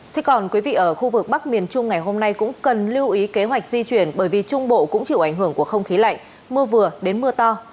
thế còn quý vị ở khu vực bắc miền trung ngày hôm nay cũng cần lưu ý kế hoạch di chuyển bởi vì trung bộ cũng chịu ảnh hưởng của không khí lạnh mưa vừa đến mưa to